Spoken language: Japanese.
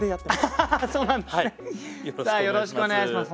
よろしくお願いします。